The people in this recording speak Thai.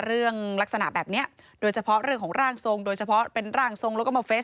เรื่องลักษณะแบบนี้ดวชเภาะเรื่องของร่างทรง